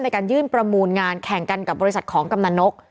ในการยื่นประมูลงานแข่งกันกับบริษัทของกำนันนก